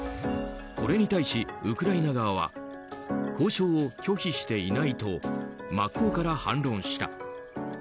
これに対し、ウクライナ側は交渉を拒否していないと真っ向から反論した。